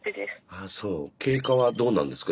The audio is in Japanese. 経過はどうなんですか？